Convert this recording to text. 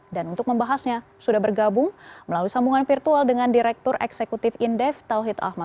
dan untuk membahasnya sudah bergabung melalui sambungan virtual dengan direktur eksekutif indef tauhid ahmad